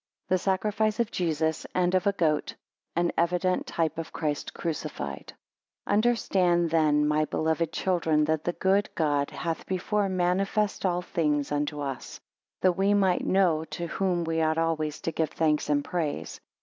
The sacrifice of Jesus, and of a goat, an evident type of Christ crucified. UNDERSTAND then my beloved children, that the good God hath before manifested all things unto us, that we might know to whom we ought always to give thanks and praise.